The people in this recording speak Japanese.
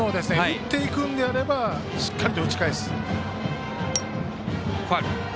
打っていくのであればしっかりと打ち返す。